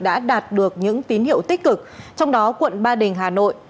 đã đạt được những tín hiệu tích cực trong đó quận ba đình hà nội